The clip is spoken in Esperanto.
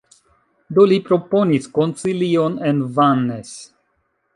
Do, li proponis koncilion en Vannes.